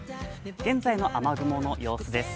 現在の雨雲の様子です。